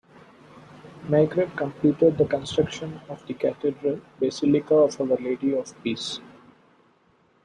Maigret completed the construction of the Cathedral Basilica of Our Lady of Peace.